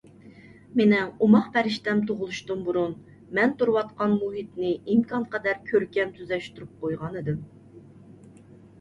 مېنىڭ ئوماق پەرىشتەم تۇغۇلۇشتىن بۇرۇن، مەن تۇرۇۋاتقان مۇھىتنى ئىمكانقەدەر كۆركەم تۈزەشتۈرۈپ قويغانىدىم.